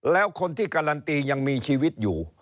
แล้วคนที่การันตียังมีชีวิตอยู่